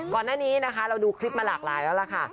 ก่อนหน้านี้นะคะเราดูคลิปมาหลากหลายแล้วล่ะค่ะ